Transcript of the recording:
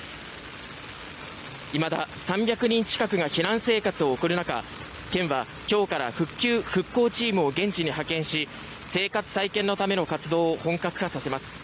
いまだ３００人近くが避難生活を送る中県は今日から復旧・復興チームを現地に派遣し生活再建のための活動を本格化させます。